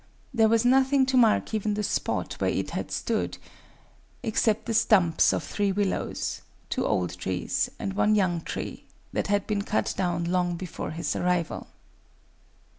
There was nothing to mark even the spot where it had stood, except the stumps of three willows—two old trees and one young tree—that had been cut down long before his arrival.